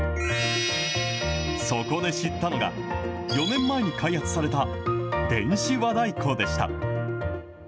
そこで知ったのが、４年前に開発された電子和太鼓でした。